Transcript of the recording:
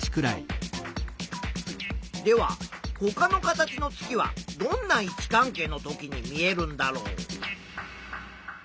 ではほかの形の月はどんな位置関係の時に見えるんだろう。